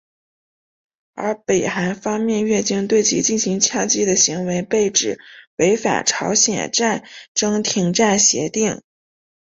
而北韩方面越境对其进行枪击的行为被指违反朝鲜战争停战协定。